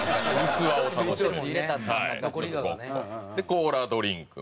コーラドリンク。